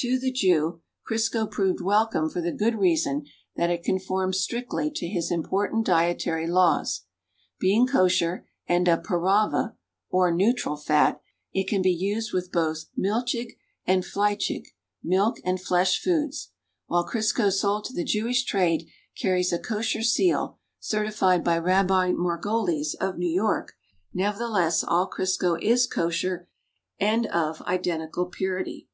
To the Jew Crisco 7 proved welcome for the good reason that it conforms strictly to his important Dietary Laws. Being Kosher and a "parava" or neutral fat, it can be used with both "milchig" and "fleichig"(milk and flesh) foods. While Crisco sold to the Jewish trade carries a Kosher seal certified by Rabbi Margolies of New York, nevertheless all Crisco is "Kosher" and of identical purity.